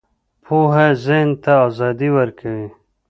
پوهه ذهن ته ازادي ورکوي